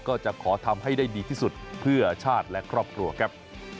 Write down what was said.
ก็จะขอทำให้ได้ดีที่สุดเพื่อชาติและครอบครัวครับ